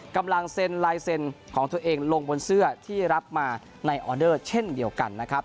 กำลังเซ็นลายเซ็นต์ของตัวเองลงบนเสื้อที่รับมาในออเดอร์เช่นเดียวกันนะครับ